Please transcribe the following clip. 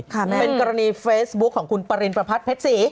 แม่เป็นกรณีเฟซบุ๊คของคุณปริณประพัทธเพชรศรี